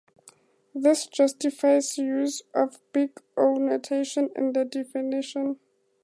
This justifies usage of big O notation in the definition.